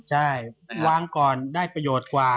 ใช่วางก่อนได้ประโยชน์กว่า